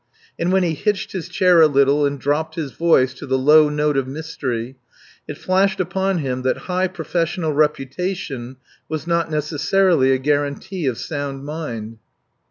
And when he hitched his chair a little and dropped his voice to the low note of mystery, it flashed upon me that high professional reputation was not necessarily a guarantee of sound mind.